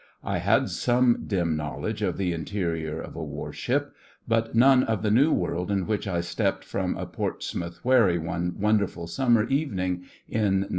I had some dim knowledge of the interior of a warship, but none of the new world into which I stepped from a Portsmouth wherry one wonderful summer evening in '97.